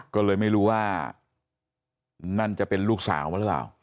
ก็เลยไม่รู้ว่านั่นจะเป็นลูกสาวเมื่อไหร่